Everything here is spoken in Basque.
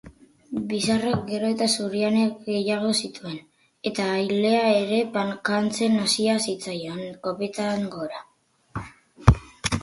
Bizarrak gero eta zuriune gehiago zituen, eta ilea ere bakantzen hasia zitzaion kopetan gora.